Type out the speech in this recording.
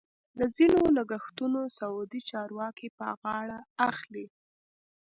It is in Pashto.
د ځینو لګښتونه سعودي چارواکي په غاړه اخلي.